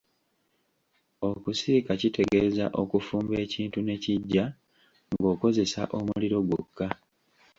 Okusiika kitegeeza “okufumba ekintu ne kiggya ng'okozesa omuliro gwokka.